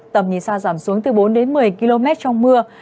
tầm nhìn xa giảm xuống từ bốn đến một mươi km trong mưa